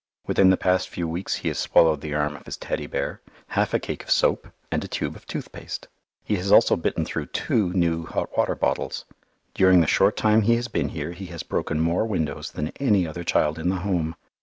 Within the past few weeks he has swallowed the arm of his Teddy bear, half a cake of soap, and a tube of tooth paste. He has also bitten through two new hot water bottles. During the short time he has been here he has broken more windows than any other child in the Home.